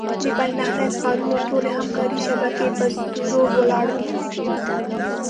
د بین النهرین ښارونو ټولې همکارۍ شبکې په اسطورو ولاړې وې.